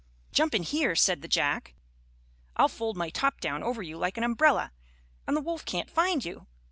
"Jump in here," said the Jack. "I'll fold my top down over you like an umbrella, and the wolf can't find you."